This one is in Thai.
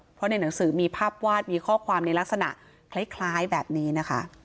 เพราะในหนังสือมีภาพวาดมีข้อความในลักษณะคล้ายแบบนี้นะคะ